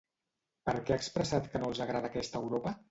Per què ha expressat que no els agrada aquesta Europa?